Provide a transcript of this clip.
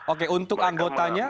oke untuk anggotanya